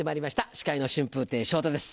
司会の春風亭昇太です